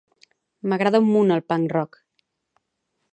M'agrada un munt el punk-rock.